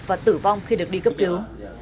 và tử vong khi được đi cướp cứu